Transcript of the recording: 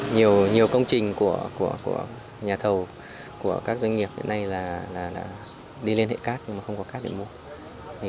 nhiều công trình của nhà thầu của các doanh nghiệp hiện nay là đi liên hệ cát nhưng mà không có ca để mua